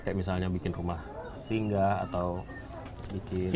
seperti misalnya membuat rumah singa atau membuat pantai